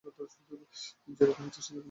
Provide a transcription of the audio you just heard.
যে রকম ইচ্ছা সে রকম আদেশ দেন।